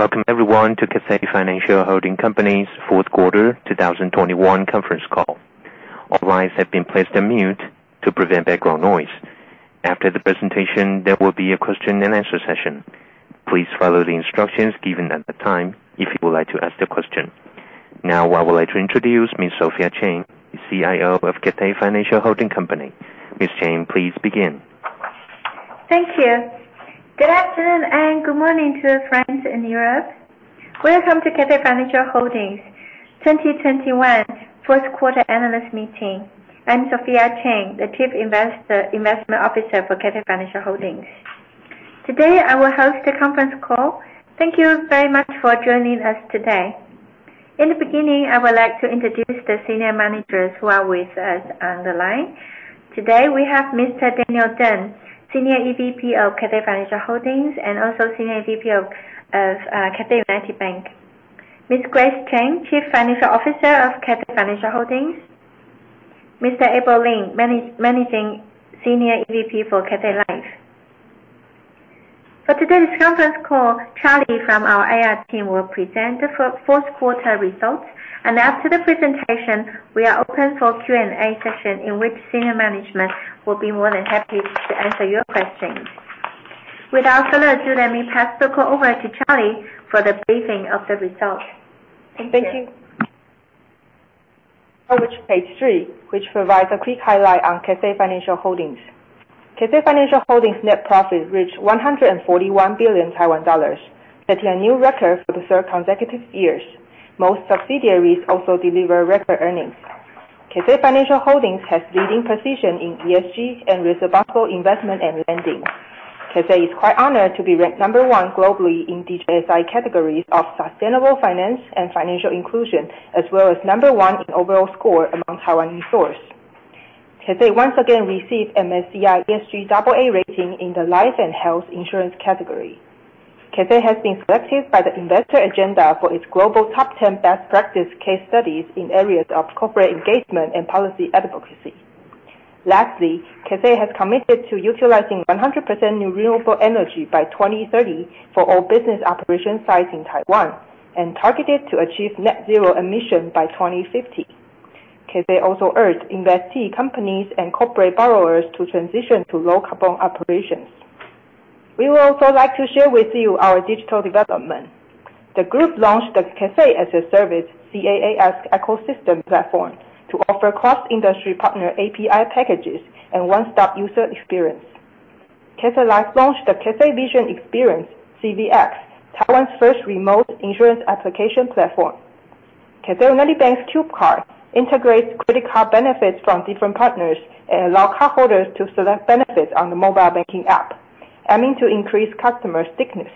Welcome everyone to Cathay Financial Holding Company's fourth quarter 2021 conference call. All lines have been placed on mute to prevent background noise. After the presentation, there will be a question and answer session. Please follow the instructions given at the time if you would like to ask the question. Now, I would like to introduce Ms. Sophia Cheng, the Chief Investment Officer of Cathay Financial Holding Company. Ms. Cheng, please begin. Thank you. Good afternoon and good morning to our friends in Europe. Welcome to Cathay Financial Holding's 2021 first quarter analyst meeting. I'm Sophia Cheng, the Chief Investment Officer for Cathay Financial Holding. Today, I will host the conference call. Thank you very much for joining us today. In the beginning, I would like to introduce the senior managers who are with us on the line. Today, we have Mr. Daniel Teng, Senior EVP of Cathay Financial Holding, and also Senior VP of Cathay United Bank. Ms. Grace Chen, Chief Financial Officer of Cathay Financial Holding, Mr. Abel Lin, Managing Senior EVP for Cathay Life. For today's conference call, Charlie from our IR team will present the fourth quarter results. After the presentation, we are open for Q&A session, in which senior management will be more than happy to answer your questions. Without further ado, let me pass the call over to Charlie for the briefing of the results. Thank you. Thank you. Over to page three, which provides a quick highlight on Cathay Financial Holding. Cathay Financial Holding net profit reached 141 billion Taiwan dollars, setting a new record for the third consecutive years. Most subsidiaries also deliver record earnings. Cathay Financial Holding has leading position in ESG and responsible investment and lending. Cathay is quite honored to be ranked number one globally in DJSI categories of sustainable finance and financial inclusion, as well as number one in overall score among Taiwan insurers. Cathay once again received MSCI ESG AA rating in the life and health insurance category. Cathay has been selected by The Investor Agenda for its global top 10 best practice case studies in areas of corporate engagement and policy advocacy. Lastly, Cathay has committed to utilizing 100% renewable energy by 2030 for all business operation sites in Taiwan and targeted to achieve net zero emission by 2050. Cathay also urged investee companies and corporate borrowers to transition to low-carbon operations. We would also like to share with you our digital development. The group launched the Cathay as a Service, CaaS Ecosystem platform, to offer cross-industry partner API packages and one-stop user experience. Cathay Life launched the Cathay Vision Experience, CVX, Taiwan's first remote insurance application platform. Cathay United Bank's CUBE card integrates credit card benefits from different partners and allow cardholders to select benefits on the mobile banking app, aiming to increase customer stickiness.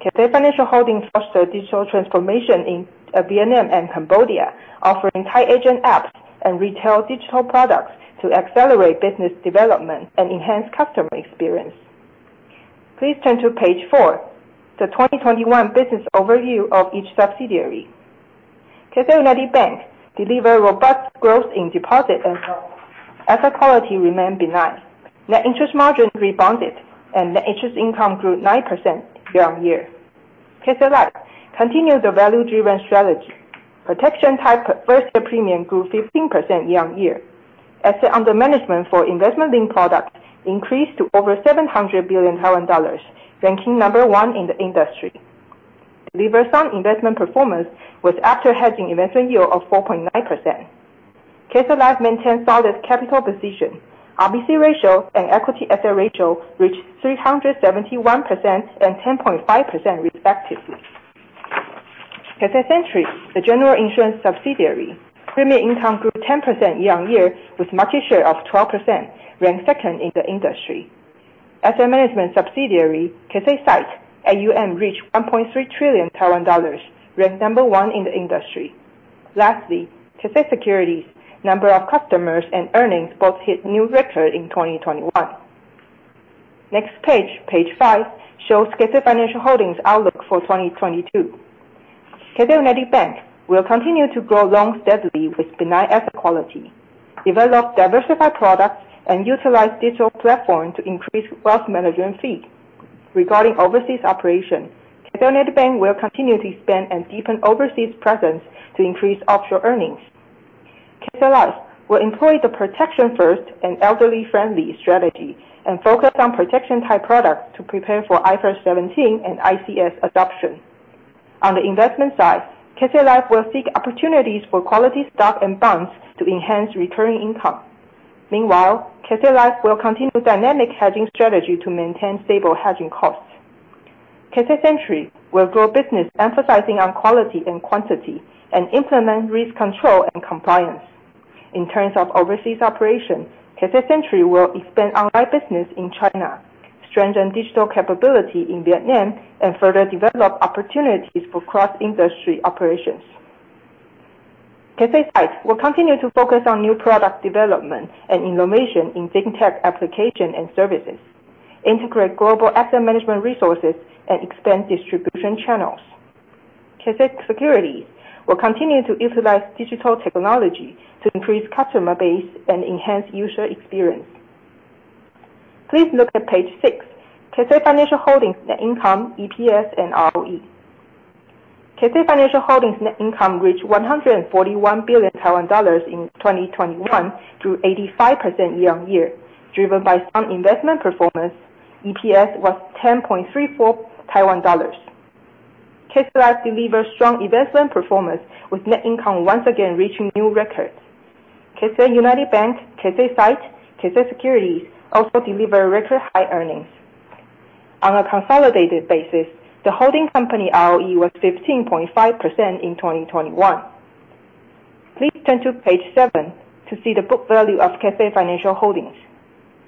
Cathay Financial Holding foster digital transformation in Vietnam and Cambodia, offering Thai agent apps and retail digital products to accelerate business development and enhance customer experience. Please turn to page four, the 2021 business overview of each subsidiary. Cathay United Bank deliver robust growth in deposit and loan. Asset quality remain benign. Net interest margin rebounded, net interest income grew 9% year-over-year. Cathay Life continue the value-driven strategy. Protection type first-year premium grew 15% year-over-year. Asset under management for investment link products increased to over 700 billion Taiwan dollars, ranking number 1 in the industry. Deliver some investment performance with after-hedging investment yield of 4.9%. Cathay Life maintain solid capital position. RBC ratio and equity asset ratio reached 371% and 10.5% respectively. Cathay Century, the general insurance subsidiary, premium income grew 10% year-over-year with market share of 12%, ranked second in the industry. Asset management subsidiary, Cathay SITE AUM reached 1.3 trillion Taiwan dollars, ranked number 1 in the industry. Lastly, Cathay Securities, number of customers and earnings both hit new record in 2021. Next page five, shows Cathay Financial Holding outlook for 2022. Cathay United Bank will continue to grow loans steadily with benign asset quality, develop diversified products, and utilize digital platform to increase wealth management fee. Regarding overseas operation, Cathay United Bank will continue to expand and deepen overseas presence to increase offshore earnings. Cathay Life will employ the protection first and elderly-friendly strategy and focus on protection-type products to prepare for IFRS 17 and ICS adoption. On the investment side, Cathay Life will seek opportunities for quality stock and bonds to enhance returning income. Meanwhile, Cathay Life will continue dynamic hedging strategy to maintain stable hedging costs. Cathay Century will grow business emphasizing on quality and quantity and implement risk control and compliance. In terms of overseas operations, Cathay Century will expand online business in China, strengthen digital capability in Vietnam, and further develop opportunities for cross-industry operations. Cathay SITE will continue to focus on new product development and innovation in fintech application and services, integrate global asset management resources, and expand distribution channels. Cathay Securities will continue to utilize digital technology to increase customer base and enhance user experience. Please look at page six, Cathay Financial Holding net income, EPS, and ROE. Cathay Financial Holding net income reached 141 billion Taiwan dollars in 2021, grew 85% year-over-year, driven by strong investment performance. EPS was 10.34 Taiwan dollars. Cathay Life delivered strong investment performance, with net income once again reaching new records. Cathay United Bank, Cathay Life, Cathay Securities also delivered record high earnings. On a consolidated basis, the holding company ROE was 15.5% in 2021. Please turn to page seven to see the book value of Cathay Financial Holding.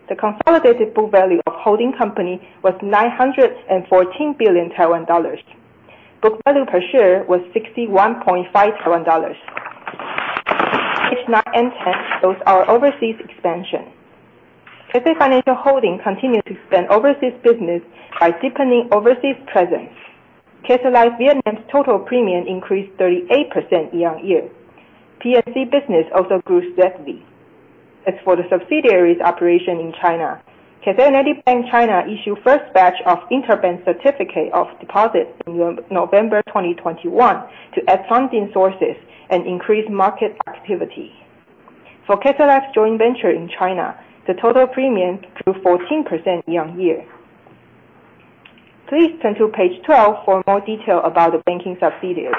The consolidated book value of holding company was 914 billion Taiwan dollars. Book value per share was 61.5 Taiwan dollars. Page nine and 10 shows our overseas expansion. Cathay Financial Holding continue to expand overseas business by deepening overseas presence. Cathay Life Vietnam's total premium increased 38% year-on-year. PFC business also grew steadily. As for the subsidiaries operation in China, Cathay United Bank China issue first batch of interbank certificate of deposit in November 2021 to add funding sources and increase market activity. For Cathay Life's joint venture in China, the total premium grew 14% year-on-year. Please turn to page 12 for more detail about the banking subsidiaries.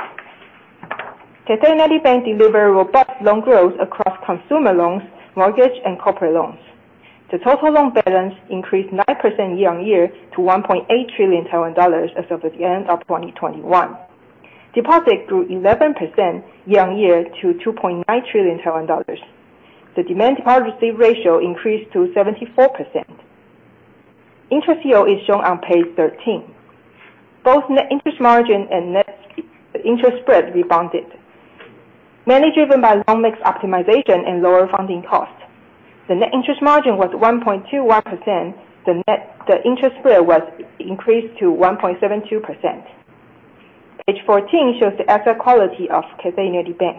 Cathay United Bank delivered robust loan growth across consumer loans, mortgage, and corporate loans. The total loan balance increased 9% year-on-year to 1.8 trillion Taiwan dollars as of the end of 2021. Deposit grew 11% year-on-year to 2.9 trillion dollars. The demand deposit ratio increased to 74%. Interest yield is shown on page 13. Both net interest margin and net interest spread rebounded, mainly driven by loan mix optimization and lower funding costs. The net interest margin was 1.21%. The interest spread was increased to 1.72%. Page 14 shows the asset quality of Cathay United Bank.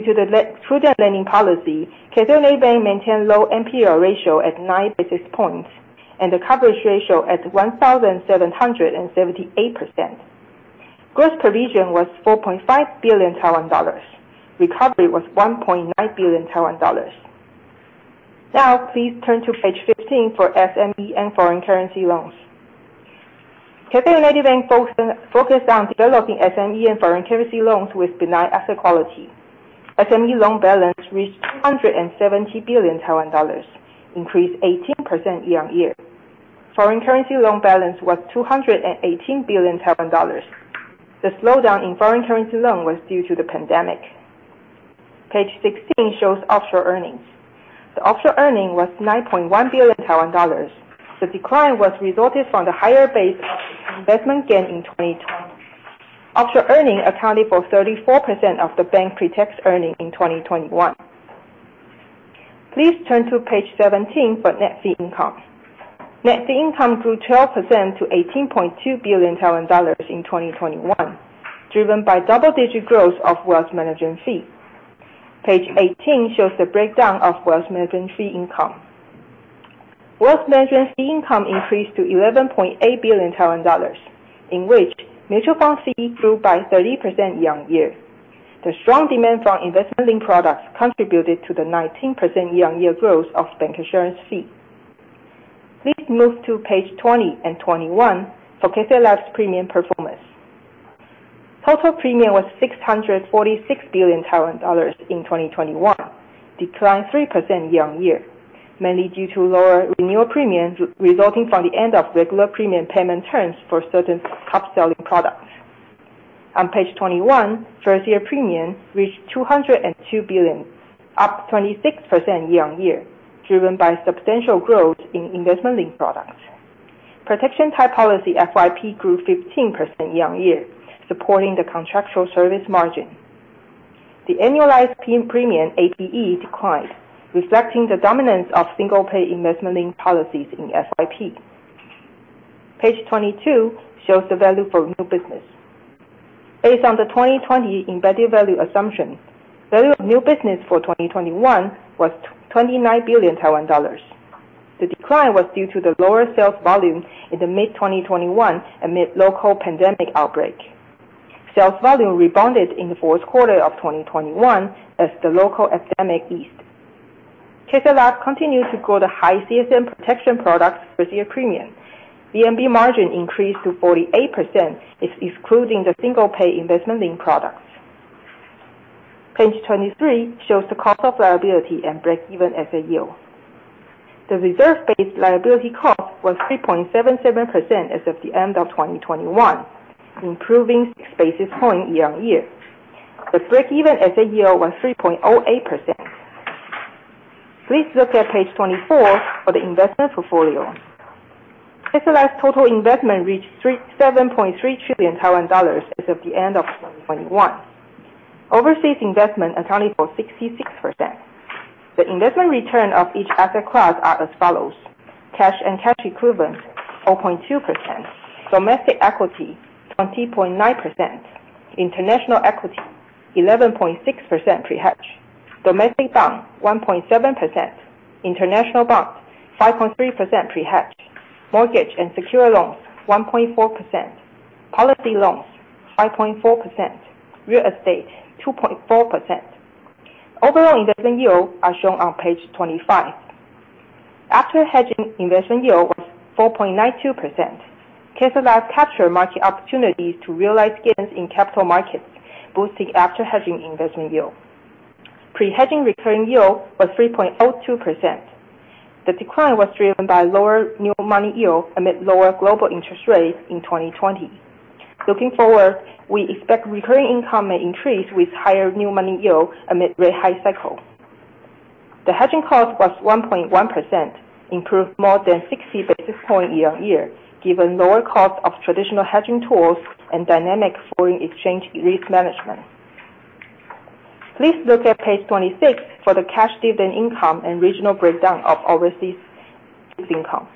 Due to the prudent lending policy, Cathay United Bank maintained low NPL ratio at nine basis points, and the coverage ratio at 1,778%. Gross provision was 4.5 billion Taiwan dollars. Recovery was 1.9 billion Taiwan dollars. Please turn to page 15 for SME and foreign currency loans. Cathay United Bank focused on developing SME and foreign currency loans with benign asset quality. SME loan balance reached 170 billion Taiwan dollars, increased 18% year-on-year. Foreign currency loan balance was 218 billion Taiwan dollars. The slowdown in foreign currency loan was due to the pandemic. Page 16 shows offshore earnings. The offshore earning was 9.1 billion Taiwan dollars. The decline was resulted from the higher base of investment gain in 2020. Offshore earning accounted for 34% of the bank pre-tax earning in 2021. Please turn to page 17 for net fee income. Net fee income grew 12% to 18.2 billion dollars in 2021, driven by double-digit growth of wealth management fee. Page 18 shows the breakdown of wealth management fee income. Wealth management fee income increased to 11.8 billion dollars, in which mutual fund fee grew by 30% year-on-year. The strong demand for investment-linked products contributed to the 19% year-on-year growth of bancassurance fee. Please move to page 20 and 21 for Cathay Life's premium performance. Total premium was 646 billion dollars in 2021, declined 3% year-on-year, mainly due to lower renewal premiums resulting from the end of regular premium payment terms for certain top-selling products. On page 21, first-year premium reached TWD 202 billion, up 26% year-on-year, driven by substantial growth in investment-linked products. Protection type policy FYP grew 15% year-on-year, supporting the contractual service margin. The annualized premium, APE, declined, reflecting the dominance of single-pay investment-linked policies in FYP. Page 22 shows the value for new business. Based on the 2020 embedded value assumption, value of new business for 2021 was 29 billion Taiwan dollars. The decline was due to the lower sales volume in the mid-2021 amid local pandemic outbreak. Sales volume rebounded in the fourth quarter of 2021 as the local epidemic eased. Cathay Life continued to grow the high CSM protection products first-year premium. VNB margin increased to 48%, excluding the single-pay investment-linked products. Page 23 shows the cost of liability and break-even asset yield. The reserve-based liability cost was 3.77% as of the end of 2021, improving six basis points year on year. The break-even asset yield was 3.08%. Please look at page 24 for the investment portfolio. Cathay Life's total investment reached 7.3 trillion Taiwan dollars as of the end of 2021. Overseas investment accounted for 66%. The investment return of each asset class are as follows: cash and cash equivalents, 4.2%; domestic equity, 20.9%; international equity, 8.8%; 11.6% pre-hedge. Domestic bond, 1.7%. International bond, 5.3% pre-hedge. Mortgage and secure loans, 1.4%. Policy loans, 5.4%. Real estate, 2.4%. Overall investment yield are shown on page 25. After hedging investment yield was 4.92%. Cathay Life captured market opportunities to realize gains in capital markets, boosting after-hedging investment yield. Pre-hedging recurring yield was 3.02%. The decline was driven by lower new money yield amid lower global interest rates in 2020. Looking forward, we expect recurring income may increase with higher new money yield amid rate high cycle. The hedging cost was 1.1%, improved more than 60 basis points year on year, given lower cost of traditional hedging tools and dynamic foreign exchange risk management. Please look at page 26 for the cash dividend income and regional breakdown of overseas fixed income.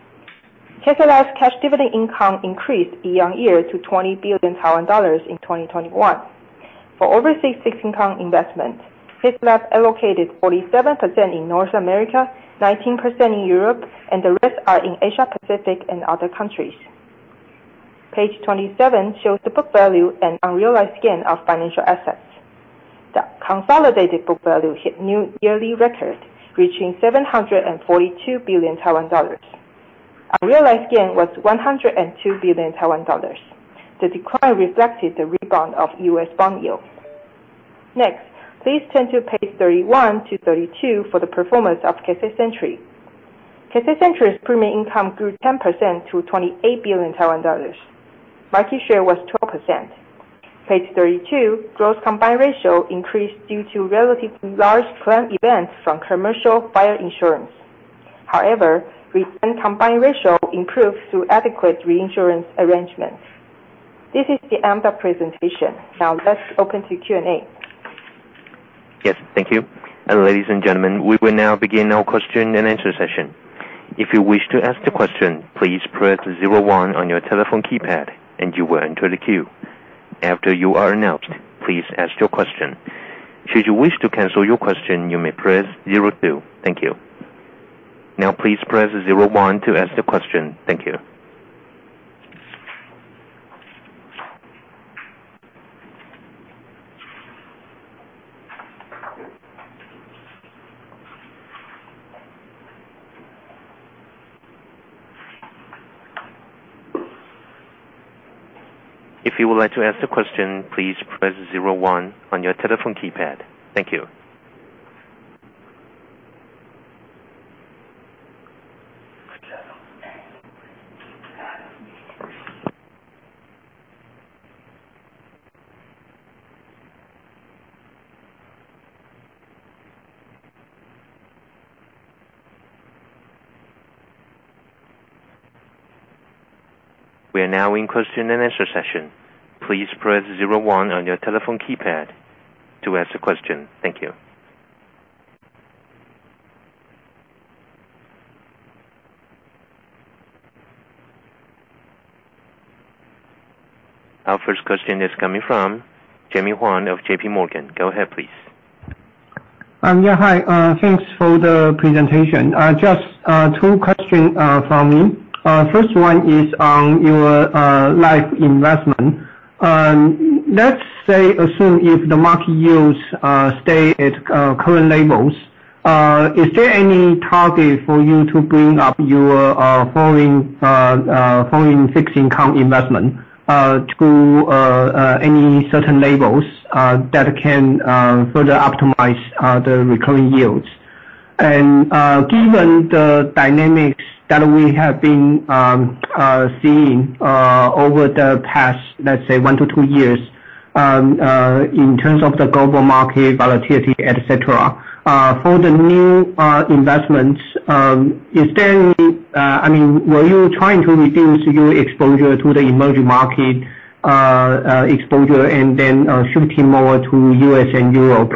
Cathay Life's cash dividend income increased year on year to 20 billion Taiwan dollars in 2021. For overseas fixed income investment, Cathay Life allocated 47% in North America, 19% in Europe, and the rest are in Asia Pacific and other countries. Page 27 shows the book value and unrealized gain of financial assets. The consolidated book value hit new yearly record, reaching 742 billion Taiwan dollars. Unrealized gain was 102 billion Taiwan dollars. The decline reflected the rebound of U.S. bond yield. Next, please turn to page 31 to 32 for the performance of Cathay Century. Cathay Century's premium income grew 10% to 28 billion Taiwan dollars. Market share was 12%. Page 32, gross combined ratio increased due to relatively large claim events from commercial fire insurance. Recent combined ratio improved through adequate reinsurance arrangements. This is the end of presentation. Let's open to Q&A. Thank you. Ladies and gentlemen, we will now begin our question and answer session. If you wish to ask the question, please press 01 on your telephone keypad and you will enter the queue. After you are announced, please ask your question. Should you wish to cancel your question, you may press 02. Thank you. Please press 01 to ask the question. Thank you. If you would like to ask the question, please press 01 on your telephone keypad. Thank you. We are now in question and answer session. Please press 01 on your telephone keypad to ask a question. Thank you. Our first question is coming from Jimmy Huang of JPMorgan. Go ahead, please. Yeah. Hi. Thanks for the presentation. Just two questions from me. First one is on your life investment. Let's say, assume if the market yields stay at current levels, is there any target for you to bring up your foreign fixed income investment to any certain levels that can further optimize the recurring yields? Given the dynamics that we have been seeing over the past, let's say, one to two years, in terms of the global market volatility, et cetera. For the new investments, were you trying to reduce your exposure to the emerging market exposure and then shifting more to U.S. and Europe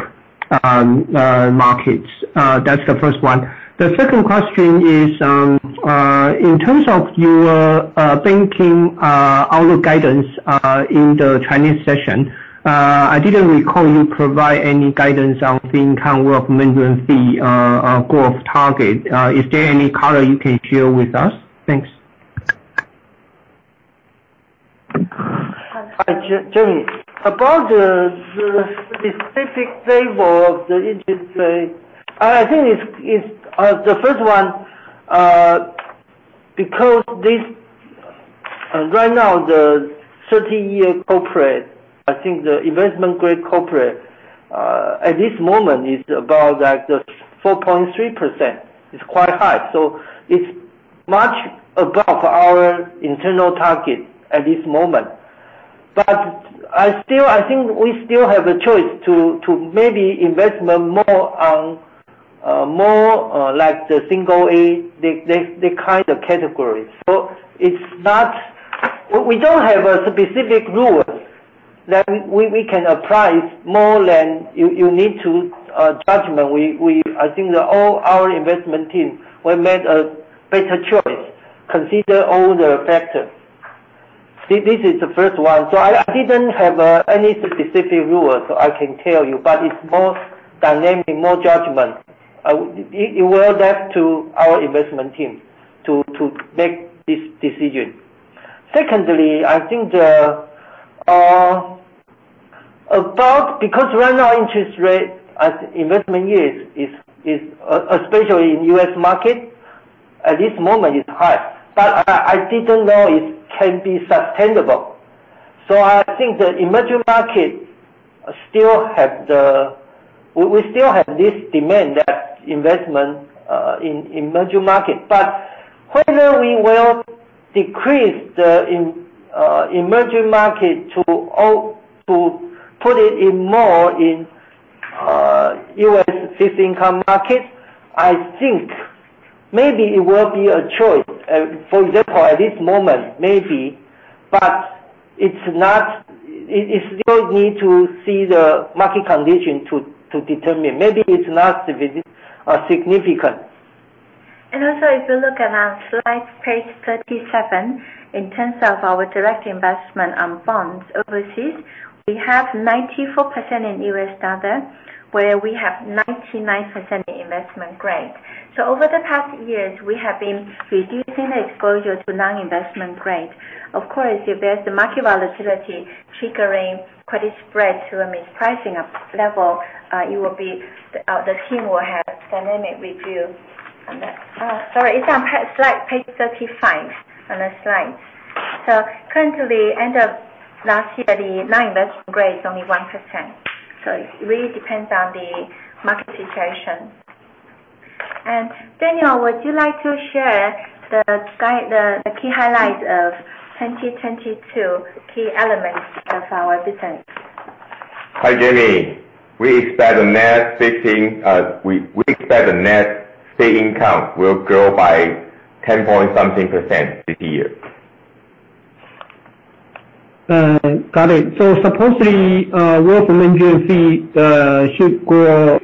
markets? That's the first one. The second question is, in terms of your banking outlook guidance in the Chinese session, I didn't recall you provide any guidance on the income, or maintenance fee growth target. Is there any color you can share with us? Thanks. Hi, Jimmy. About the specific label of the interest rate, I think the first one, because right now, the 30-year corporate, I think the investment grade corporate at this moment is about 4.3%. It's quite high. It's much above our internal target at this moment. I think we still have a choice to maybe investment more on the single A, the kind of categories. We don't have a specific rule that we can apply more than you need to judgment. I think that all our investment team will make a better choice, consider all the factors. See, this is the first one. I didn't have any specific rules so I can tell you, but it's more dynamic, more judgment. It will be left to our investment team to make this decision. Secondly, I think because right now interest rate as investment yield, especially in U.S. market, at this moment it's high. I didn't know it can be sustainable. I think the emerging market, we still have this demand, that investment in emerging market. Whether we will decrease the emerging market to put it in more in U.S. fixed income market, I think maybe it will be a choice. For example, at this moment, maybe. It still needs to see the market condition to determine. Maybe it's not significant. Also, if you look at our slide, page 37, in terms of our direct investment on bonds overseas, we have 94% in U.S. dollar, where we have 99% in investment grade. Over the past years, we have been reducing the exposure to non-investment grade. Of course, if there's the market volatility triggering credit spread to a mispricing level, the team will have dynamic review on that. Sorry, it's on slide page 35. On the slide. Currently, end of last year, the non-investment grade is only 1%. It really depends on the market situation. Daniel, would you like to share the key highlights of 2022, key elements of our business? Hi, Jimmy. We expect the net fee income will grow by 10 point something % this year. Got it. Supposedly, wealth management fee should grow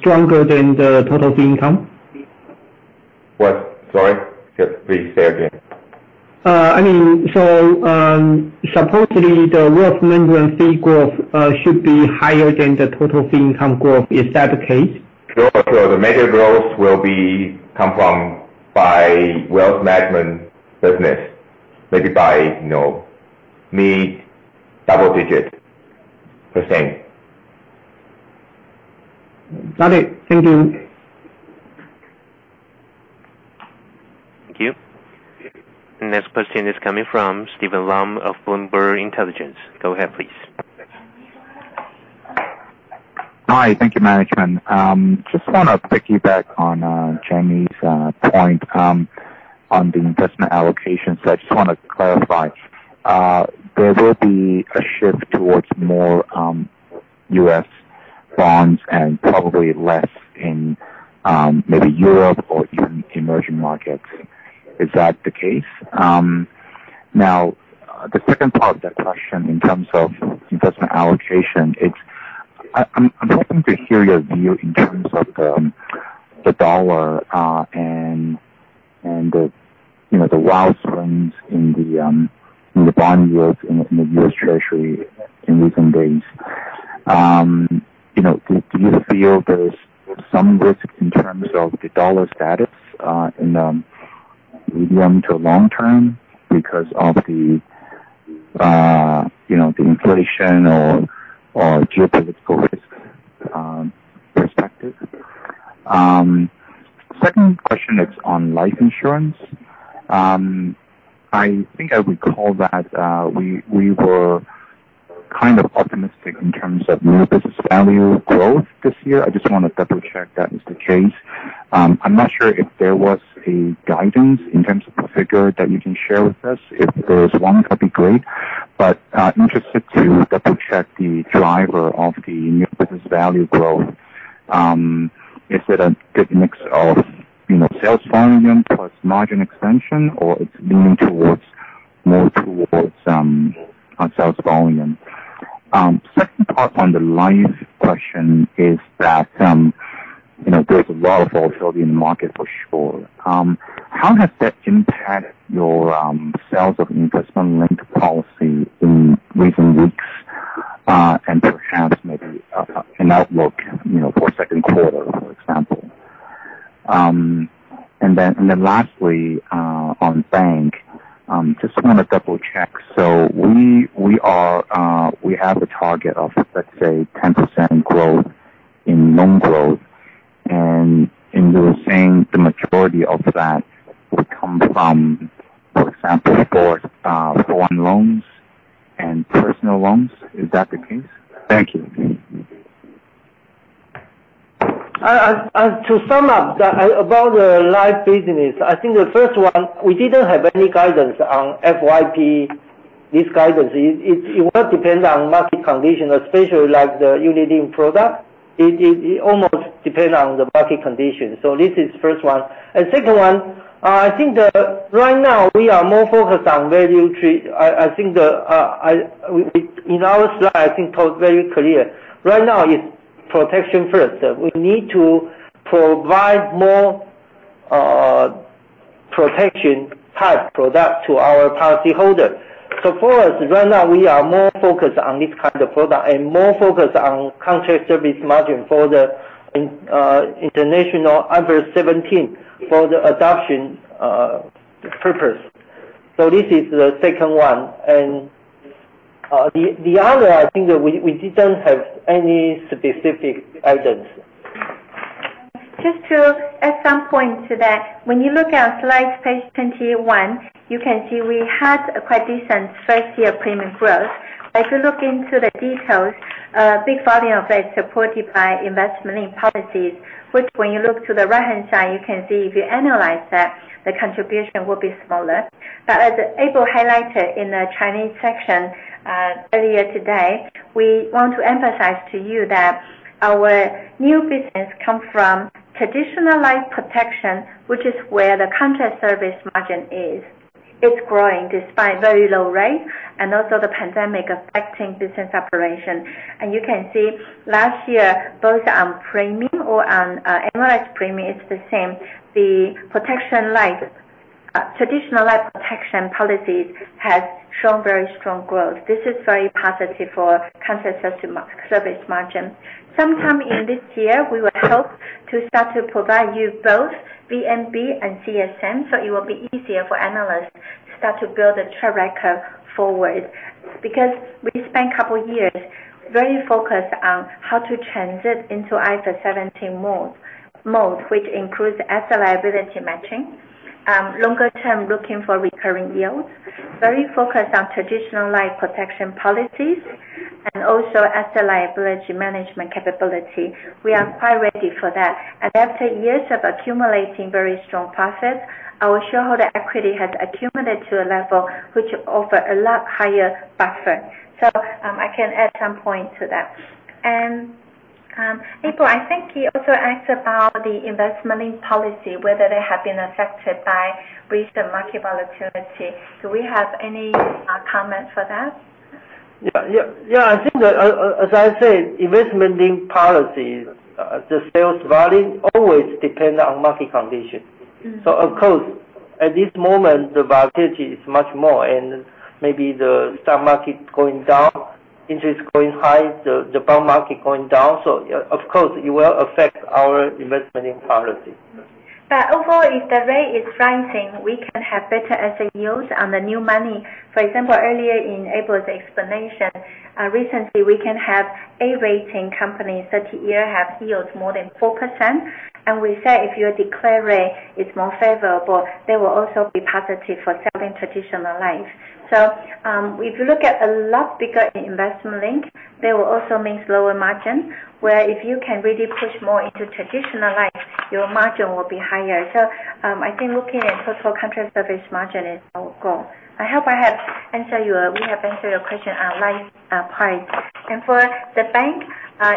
stronger than the total fee income? What? Sorry. Please say again. I mean, supposedly the wealth management fee growth should be higher than the total fee income growth. Is that the case? Sure. The major growth will be come from by wealth management business, maybe by mid double-digit %. Got it. Thank you. Thank you. Next question is coming from Steven Lam of Bloomberg Intelligence. Go ahead, please. Hi. Thank you, management. Just want to piggyback on Jimmy's point on the investment allocation. I just want to clarify. There will be a shift towards more U.S. bonds and probably less in maybe Europe or even emerging markets. Is that the case? The second part of that question in terms of investment allocation, I'm hoping to hear your view in terms of the dollar and the wild swings in the bond yields in the U.S. Treasury in recent days. Do you feel there's some risk in terms of the dollar status in the medium to long term because of the inflation or geopolitical risk perspective? Second question is on life insurance. I think I recall that we were kind of optimistic in terms of new business value growth this year. I just want to double-check that is the case. I'm not sure if there was a guidance in terms of a figure that you can share with us. If there's one, that'd be great. Interested to double-check the driver of the new business value growth. Is it a good mix of sales volume plus margin expansion, or it's leaning more towards sales volume? Second part on the life question is that there's a lot of volatility in the market for sure. How has that impacted your sales of investment linked policy in recent weeks, and perhaps maybe an outlook for second quarter, for example? Lastly, on bank, just want to double-check. We have a target of, let's say, 10% growth in loan growth, and you were saying the majority of that will come from, for example, for foreign loans and personal loans. Is that the case? Thank you. To sum up about the life business, I think the first one, we didn't have any guidance on FYP. This guidance, it will depend on market condition, especially like the unit link product. It almost depends on the market condition. This is first one. Second one, I think that right now we are more focused on value. In our slide, I think it was very clear. Right now it's protection first. We need to provide more protection type product to our policy holders. For us, right now, we are more focused on this kind of product and more focused on contract service margin for the international IFRS 17 for the adoption purpose. This is the second one. The other, I think that we didn't have any specific items. Just to add some point to that. When you look at slide page 21, you can see we had a quite decent first year premium growth. If you look into the details, a big volume of that is supported by investment in policies, which when you look to the right-hand side, you can see if you analyze that, the contribution will be smaller. As April highlighted in the Chinese section earlier today, we want to emphasize to you that our new business comes from traditional life protection, which is where the contract service margin is. It's growing despite very low rate and also the pandemic affecting business operation. You can see last year, both on premium or on analyzed premium, it's the same. The traditional life protection policies has shown very strong growth. This is very positive for contract service margin. Sometime in this year, we will hope to start to provide you both VNB and CSM, it will be easier for analysts to start to build a track record forward, because we spent a couple years very focused on how to transit into IFRS 17 mode, which includes asset liability matching, longer term looking for recurring yields. Very focused on traditional life protection policies and also asset liability management capability. We are quite ready for that. After years of accumulating very strong profits, our shareholder equity has accumulated to a level which offer a lot higher buffer. I can add some point to that. April, I think you also asked about the investment link policy, whether they have been affected by recent market volatility. Do we have any comment for that? Yeah. I think that, as I said, investment link policies, the sales value always depend on market condition. Of course, at this moment, the volatility is much more and maybe the stock market going down, interest going high, the bond market going down. Of course it will affect our investment link policy. Overall, if the rate is rising, we can have better asset yields on the new money. For example, earlier in April's explanation, recently we can have A rating companies 30 year have yields more than 4%. We say if your declare rate is more favorable, they will also be positive for selling traditional life. If you look at a lot bigger investment link, they will also means lower margin, where if you can really push more into traditional life, your margin will be higher. I think looking at total contract service margin is our goal. I hope we have answered your question on life part. For the bank,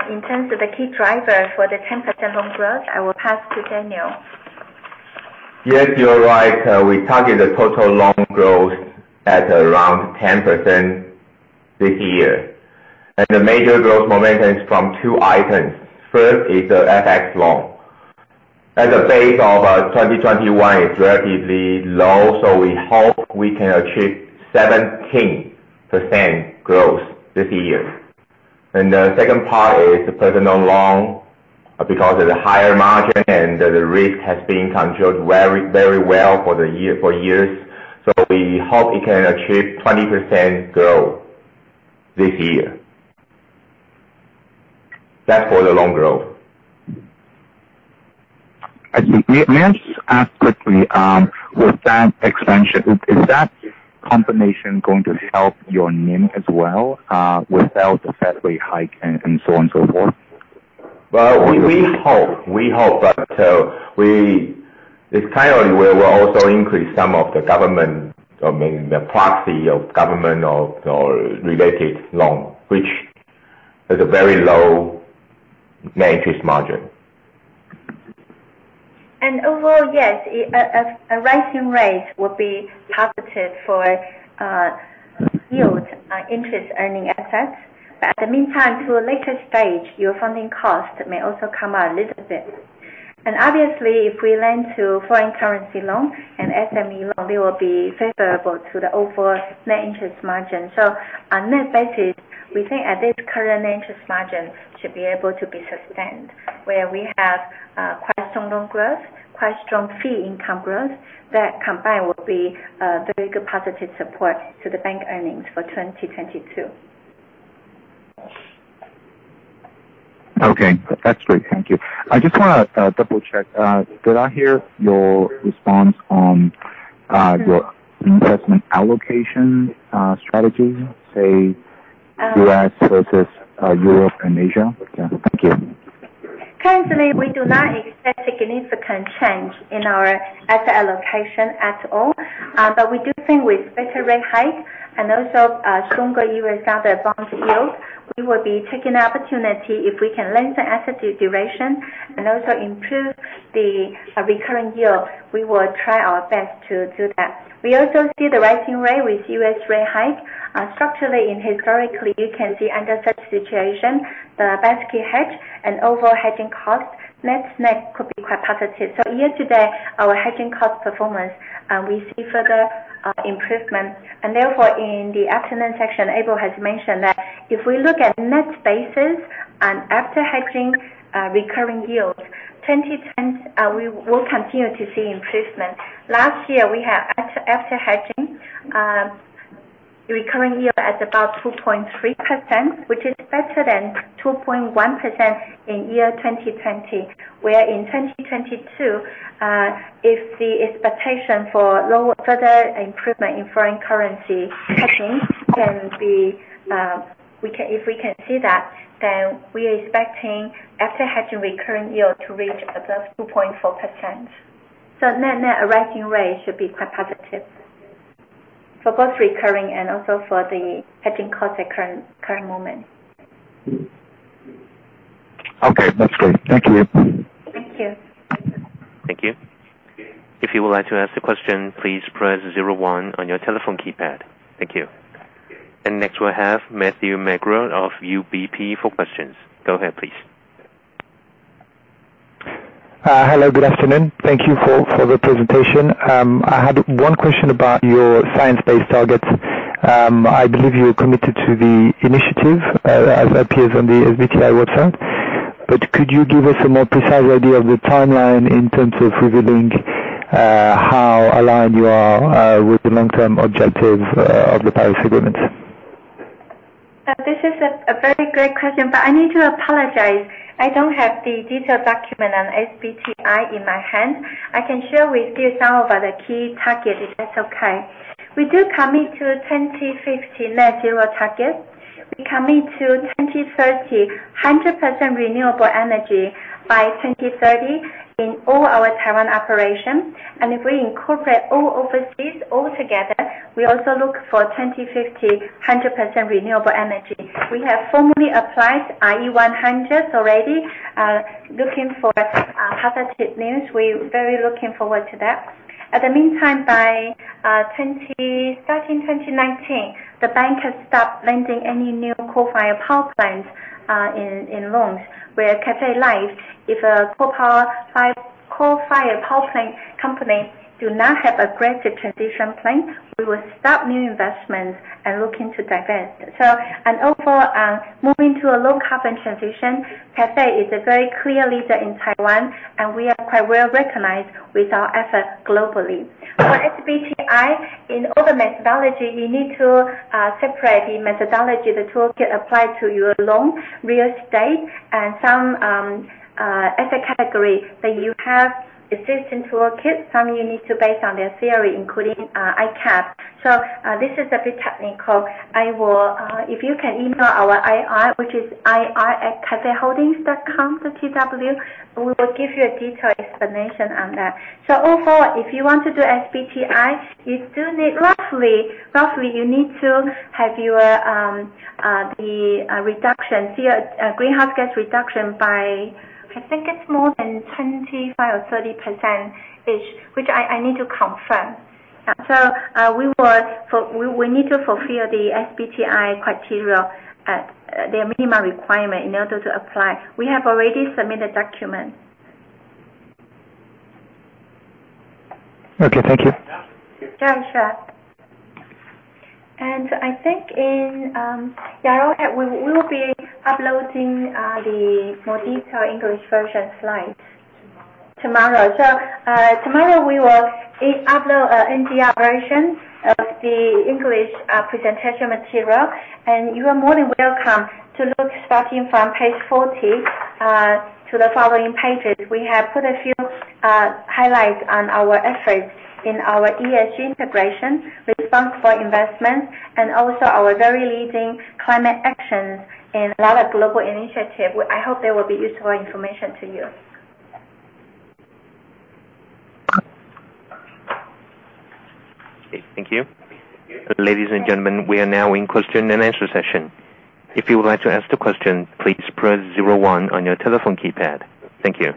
in terms of the key driver for the 10% loan growth, I will pass to Daniel. Yes, you're right. We target the total loan growth at around 10% this year. The major growth momentum is from two items. First is the FX loan. At the base of our 2021, it's relatively low, so we hope we can achieve 17% growth this year. The second part is personal loan, because of the higher margin and the risk has been controlled very well for years. We hope it can achieve 20% growth this year. That's for the loan growth. May I just ask quickly, with that expansion, is that combination going to help your NIM as well, without the Fed rate hike and so on and so forth? We hope. This quarter we will also increase some of the government, or maybe the proxy of government or related loan, which has a very low net interest margin. Overall, yes, a rising rate will be positive for yields on interest earning assets. At the meantime, to a later stage, your funding cost may also come up a little bit. Obviously, if we lend to foreign currency loans and SME loans, it will be favorable to the overall net interest margin. On net basis, we think at this current interest margin should be able to be sustained, where we have quite strong loan growth, quite strong fee income growth. That combined will be a very good positive support to the bank earnings for 2022. Okay. That's great. Thank you. I just want to double-check. Did I hear your response on your investment allocation strategy, say U.S. versus Europe and Asia? Thank you. Currently, we do not expect significant change in our asset allocation at all. We do think with better rate hikes and also stronger U.S. dollar bond yields, we will be taking the opportunity if we can lengthen asset duration and also improve the recurring yield. We will try our best to do that. We also see the rising rate with U.S. rate hike. Structurally and historically, you can see under such situation, the basket hedge and overall hedging cost net-net could be quite positive. Year to date, our hedging cost performance, we see further improvement. Therefore, in the afternoon section, April has mentioned that if we look at net basis and after hedging recurring yield, we will continue to see improvement. Last year, we have after hedging, recurring yield at about 2.3%, which is better than 2.1% in 2020, where in 2022, if the expectation for further improvement in foreign currency hedging, if we can see that, then we are expecting after hedging recurring yield to reach above 2.4%. Net arising rate should be quite positive for both recurring and also for the hedging cost at current moment. Okay. That's great. Thank you. Thank you. Thank you. If you would like to ask the question, please press zero one on your telephone keypad. Thank you. Next we'll have Matthew McGraw of UBP for questions. Go ahead, please. Hello, good afternoon. Thank you for the presentation. I had one question about your science-based targets. I believe you are committed to the initiative, as appears on the SBTi website. Could you give us a more precise idea of the timeline in terms of revealing how aligned you are with the long-term objectives of the Paris Agreement? This is a very great question. I need to apologize, I don't have the detailed document on SBTi in my hand. I can share with you some of the key targets, if that's okay. We do commit to 2050 net zero target. We commit to 2030, 100% renewable energy by 2030 in all our Taiwan operations. If we incorporate all overseas altogether, we also look for 2050, 100% renewable energy. We have formally applied RE100 already, looking for positive news. We're very looking forward to that. At the meantime, by starting 2019, the bank has stopped lending any new coal-fired power plants in loans, where Cathay Life, if a coal-fired power plant company do not have an aggressive transition plan, we will stop new investments and look into divest. Overall, moving to a low carbon transition, Cathay is a very clear leader in Taiwan, and we are quite well-recognized with our efforts globally. For SBTi, in all the methodology, you need to separate the methodology, the toolkit applied to your loan, real estate, and some asset category that you have existing toolkit, some you need to base on their theory, including ICAP. This is a bit technical. If you can email our IR, which is ir@cathayholdings.com.tw, we will give you a detailed explanation on that. Overall, if you want to do SBTi, roughly you need to have your greenhouse gas reduction by, I think it's more than 25% or 30%, which I need to confirm. We need to fulfill the SBTi criteria, their minimum requirement in order to apply. We have already submitted document. Okay, thank you. Yeah, sure. I think we will be uploading the more detailed English version slide tomorrow. Tomorrow we will upload a NDR version of the English presentation material, and you are more than welcome to look starting from page 40 to the following pages. We have put a few highlights on our efforts in our ESG integration, responsible investment, and also our very leading climate actions in a lot of global initiative. I hope they will be useful information to you. Okay, thank you. Ladies and gentlemen, we are now in question and answer session. If you would like to ask the question, please press 01 on your telephone keypad. Thank you.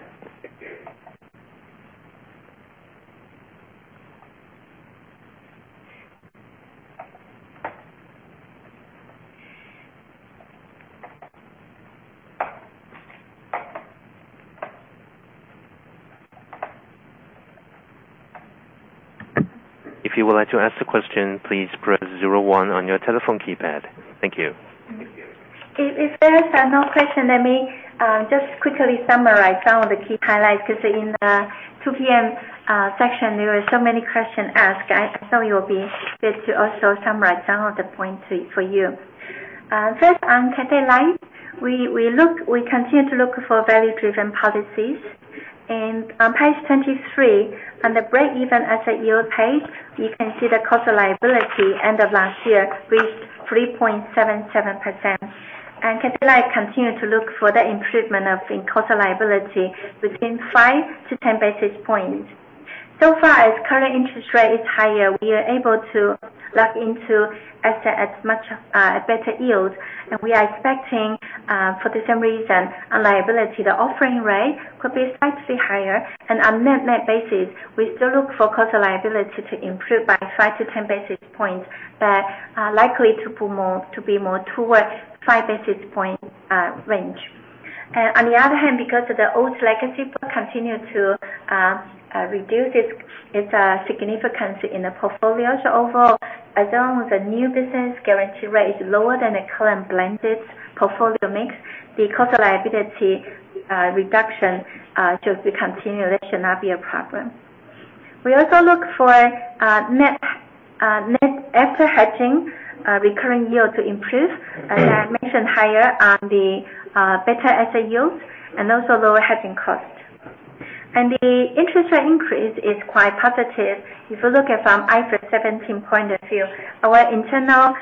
If you would like to ask the question, please press 01 on your telephone keypad. Thank you. If there is no question, let me just quickly summarize some of the key highlights, because in the 2:00 P.M. section, there were so many questions asked. I thought it will be good to also summarize some of the points for you. First, on Cathay Life, we continue to look for value-driven policies, and on page 23, on the break even asset yield page, you can see the cost of liability end of last year reached 3.77%. Cathay Life continue to look for the improvement of the cost of liability between five to 10 basis points. Far as current interest rate is higher, we are able to lock into asset as much better yield. We are expecting, for the same reason, our liability, the offering rate could be slightly higher, on net basis, we still look for cost of liability to improve by 5 to 10 basis points, but likely to be more towards five basis point range. On the other hand, because of the old legacy book continue to reduce its significance in the portfolio. Overall, as long as the new business guarantee rate is lower than the current blended portfolio mix because of liability reduction should be continued, that should not be a problem. We also look for net after hedging recurring yield to improve. As I mentioned, higher on the better SA yield and also lower hedging cost. The interest rate increase is quite positive. If you look at from IFRS 17 point of view, our internal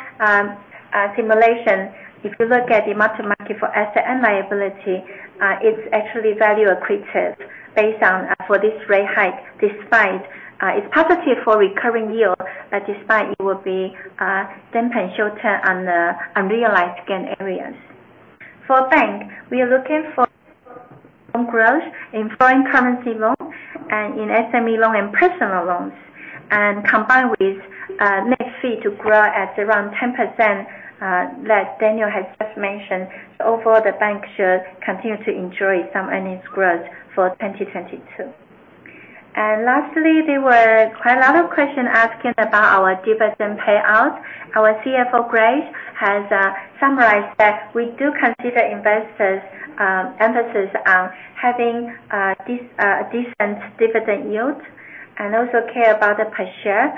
simulation, if you look at the match maturity for asset and liability, it's actually value accretive based on for this rate hike, despite it's positive for recurring yield, but despite it will be a dampener short-term on the unrealized gain areas. For bank, we are looking for growth in foreign currency loans and in SME loans and personal loans, combined with net fee to grow at around 10% that Daniel has just mentioned. Overall, the bank should continue to enjoy some earnings growth for 2022. Lastly, there were quite a lot of questions asking about our dividend payout. Our CFO, Grace, has summarized that we do consider investors' emphasis on having a decent dividend yield and also care about the per share.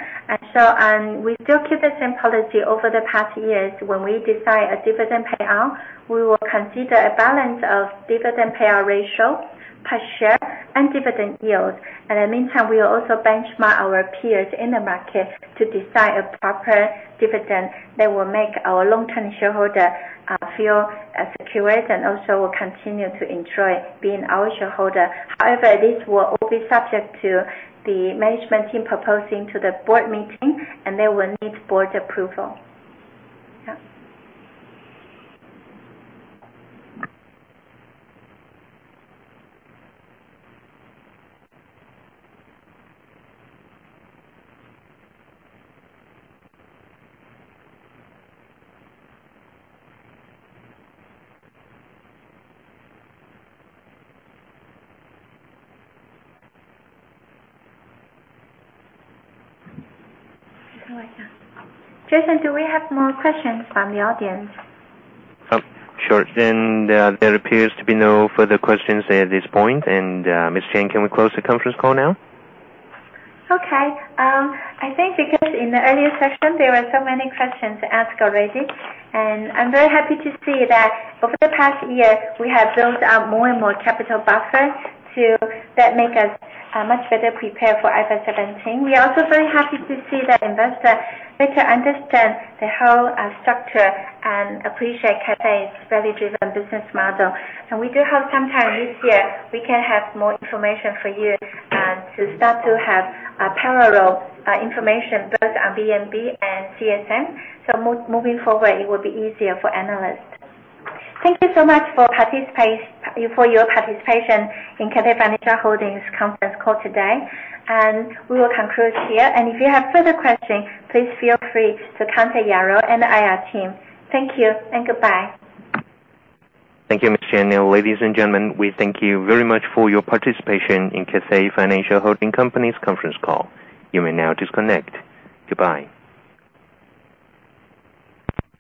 We still keep the same policy over the past years. When we decide a dividend payout, we will consider a balance of dividend payout ratio, per share, and dividend yield. In the meantime, we will also benchmark our peers in the market to decide a proper dividend that will make our long-term shareholder feel secure and also will continue to enjoy being our shareholder. However, this will all be subject to the management team proposing to the board meeting, and they will need board approval. Jason, do we have more questions from the audience? Sure. There appears to be no further questions at this point. Ms. Chang, can we close the conference call now? Okay. I think because in the earlier session, there were so many questions asked already, and I'm very happy to see that over the past year, we have built up more and more capital buffers that make us much better prepared for IFRS 17. We are also very happy to see that investors better understand the whole structure and appreciate Cathay's value-driven business model. We do have some time this year, we can have more information for you to start to have parallel information both on VNB and CSM. Moving forward, it will be easier for analysts. Thank you so much for your participation in Cathay Financial Holding conference call today, and we will conclude here. If you have further questions, please feel free to contact Yarrow and the IR team. Thank you and goodbye. Thank you, Ms. Chang. Now, ladies and gentlemen, we thank you very much for your participation in Cathay Financial Holding Company's conference call. You may now disconnect. Goodbye.